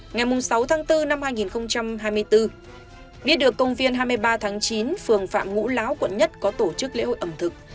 ngày sáu tháng bốn năm hai nghìn hai mươi bốn biết được công viên hai mươi ba tháng chín phường phạm ngũ lão quận một có tổ chức lễ hội ẩm thực